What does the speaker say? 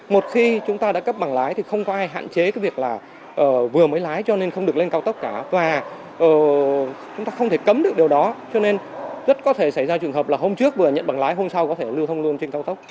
một khi chúng ta đã cấp bằng lái thì không có ai hạn chế cái việc là vừa mới lái cho nên không được lên cao tốc cả và chúng ta không thể cấm được điều đó cho nên rất có thể xảy ra trường hợp là hôm trước vừa nhận bằng lái hôm sau có thể lưu thông luôn trên cao tốc